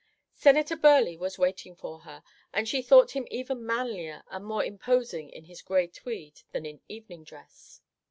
Senator Burleigh was waiting for her, and she thought him even manlier and more imposing in his gray tweed than in evening dress.